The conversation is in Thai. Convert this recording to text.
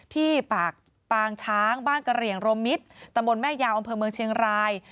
ที่ปากปางช้างบ้านกระเหลี่ยงรวมมิตรตำบลแม่ยาวอำเภอเมืองเชียงราย